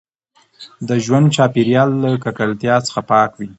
د ژوند چاپیریال له ککړتیا څخه پاک وي.